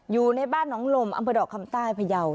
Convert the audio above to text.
อยู่ในบ้านหนองลมอำเภอดอกคำใต้พยาว